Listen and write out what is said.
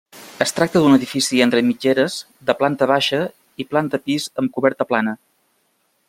Es tracta d'un edifici entre mitgeres de planta baixa i planta pis amb coberta plana.